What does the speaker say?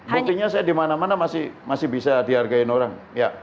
mungkin saya dimana mana masih bisa dihargai orang